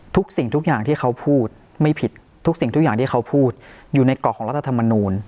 ทุกสิ่งทุกอย่างที่เขาพูดไม่ผิดทุกสิ่งทุกอย่างที่เขาพูดอยู่ในเกาะของรัฐธรรมนูล